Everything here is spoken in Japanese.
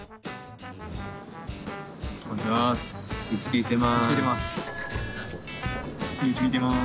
愚痴聞いてます。